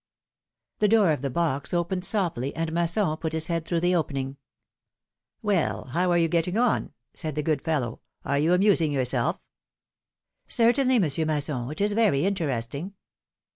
T he door of the box opened softly and Masson put his head through the opening. Well, how are you getting on?'^ said the good fellow; ^ '^are you amusing yourself?^^ Certainly, Monsieur Masson ; it is very interesting."